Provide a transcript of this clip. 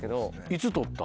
いつ取った？